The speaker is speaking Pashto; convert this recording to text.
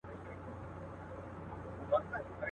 شالمار به په زلمیو هوسېږي.